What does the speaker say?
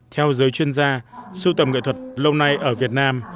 theo giới chuyên gia sưu tầm nghệ thuật lâu nay ở việt nam